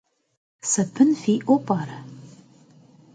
Sabın fi'eu p'ere?